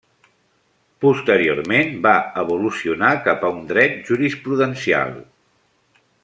Posteriorment va evolucionar cap a un dret jurisprudencial.